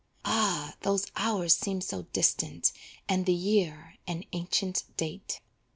Ah! those hours seem so distant And the year, an ancient date.